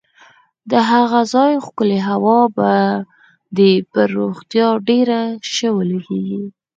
د هغه ځای ښکلې هوا به دې پر روغتیا ډېره ښه ولګېږي.